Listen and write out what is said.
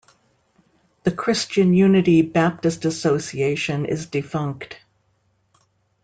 The Christian Unity Baptist Association is defunct.